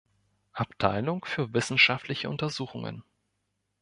Abteilung für wissenschaftliche Untersuchungen.